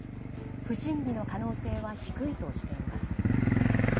不審火の可能性は低いとしています。